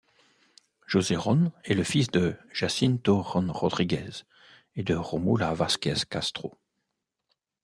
José Ron est le fils de Jacinto Ron Rodríguez et de Rómula Vásquez Castro.